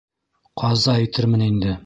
Ҡаза итермен инде.